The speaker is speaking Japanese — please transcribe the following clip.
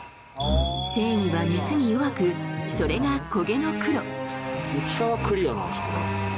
繊維は熱に弱くそれが焦げの黒